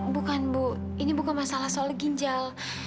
bukan bu ini bukan masalah soal ginjal